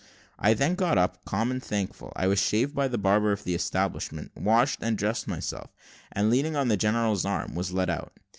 I then got up, calm and thankful. I was shaved by the barber of the establishment, washed and dressed myself, and, leaning on the general's arm, was led out.